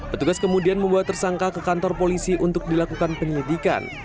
petugas kemudian membawa tersangka ke kantor polisi untuk dilakukan penyelidikan